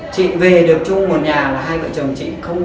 chị về được chung một nhà là hai vợ chồng chị không